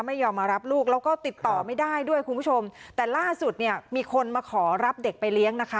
ไม่ยอมมารับลูกแล้วก็ติดต่อไม่ได้ด้วยคุณผู้ชมแต่ล่าสุดเนี่ยมีคนมาขอรับเด็กไปเลี้ยงนะคะ